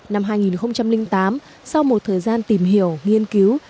năm hai nghìn tám sau một thời gian tìm hiểu nghiên cứu